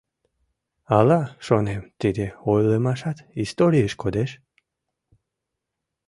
Ала, шонем, тиде ойлымашат историеш кодеш?